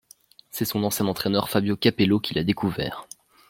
C'est son ancien entraîneur Fabio Capello qui l'a découvert.